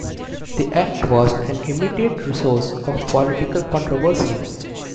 The act was an immediate source of political controversy.